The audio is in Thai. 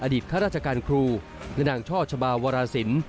อดีตค่าราชการครูและนางช่อชบาวราศิลป์